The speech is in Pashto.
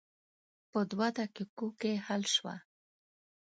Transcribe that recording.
په دوه دقیقو حل شوه.